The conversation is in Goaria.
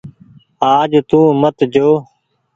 آج تو مت جو۔